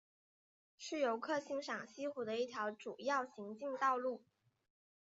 是游客欣赏西湖的一条主要行进道路。